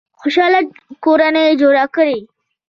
خوشحاله کورنۍ جوړه کړئ